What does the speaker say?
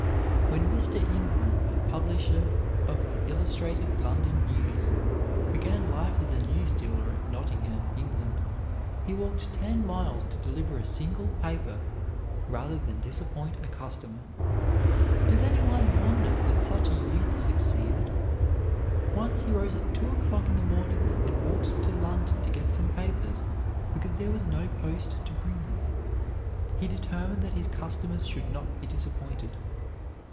When Mr. Ingram, publisher of the "Illustrated London News," began life as a newsdealer at Nottingham, England, he walked ten miles to deliver a single paper rather than disappoint a customer. Does any one wonder that such a youth succeeded? Once he rose at two o'clock in the morning and walked to London to get some papers because there was no post to bring them. He determined that his customers should not be disappointed.